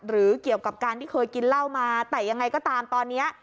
หรือเกี่ยวกับการที่เคยกินเหล้ามาแต่ยังไงก็ตามตอนนี้